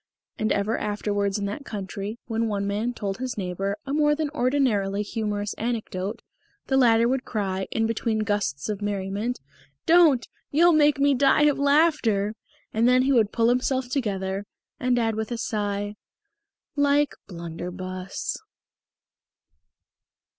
And ever afterwards in that country, when one man told his neighbour a more than ordinarily humorous anecdote, the latter would cry, in between the gusts of merriment, "Don't! You'll make me die of laughter!" And then he would pull himself together, and add with a sigh, "Like Blunderbus."